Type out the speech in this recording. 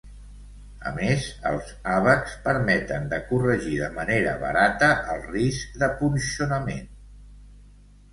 A més els àbacs permeten de corregir de manera barata el risc de punxonament.